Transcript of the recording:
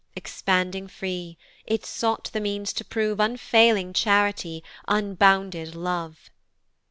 Expanding free, it sought the means to prove Unfailing charity, unbounded love!